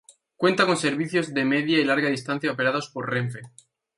Cuenta con servicios de media y larga distancia operados por Renfe.